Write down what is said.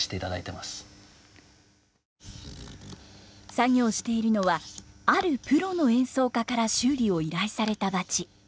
作業しているのはあるプロの演奏家から修理を依頼されたバチ。